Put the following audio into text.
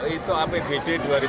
itu apbd dua ribu sembilan belas